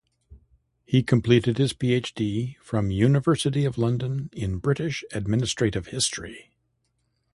He completed his PhD from University of London in British Administrative History.